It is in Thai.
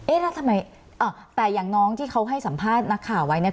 แล้วทำไมแต่อย่างน้องที่เขาให้สัมภาษณ์นักข่าวไว้เนี่ย